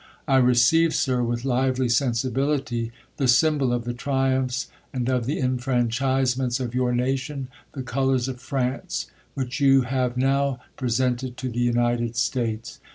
I receive, Sir, with lively sensibility, the symbol o£j the triumphs and of the enfranchisements of your na tion, the colours of France, which you have now pre sented to the United States.